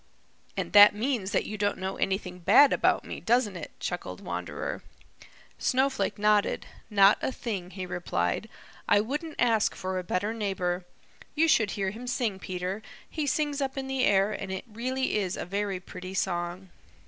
"And that means that you don't know anything bad about me, doesn't it?" chuckled Wanderer. Snowflake nodded. "Not a thing," he replied. "I wouldn't ask for a better neighbor. You should hear him sing, Peter. He sings up in the air, and it really is a very pretty song."